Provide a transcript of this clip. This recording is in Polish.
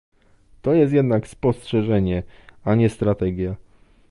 To jest jednak spostrzeżenie, a nie strategia